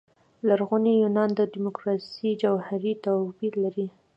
لرغوني یونان دیموکراسي جوهري توپير لري.